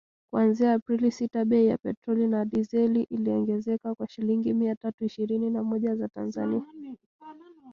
kuanzia Aprili sita bei ya petroli na dizeli iliongezeka kwa shilingi mia tatu ishirini na moja za Tanzania